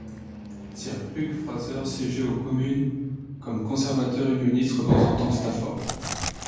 Sir Hugh Fraser siégeait aux Communes comme Conservateur unioniste représentant Stafford.